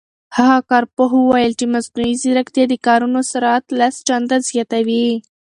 هغه کارپوه وویل چې مصنوعي ځیرکتیا د کارونو سرعت لس چنده زیاتوي.